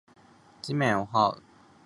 地面を這う